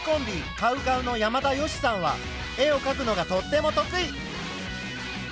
ＣＯＷＣＯＷの山田善しさんは絵をかくのがとっても得意。